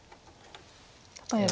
例えば。